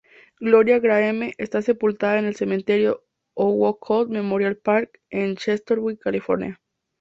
Gloria Grahame está sepultada en el Cementerio Oakwood Memorial Park, en Chatsworth, California.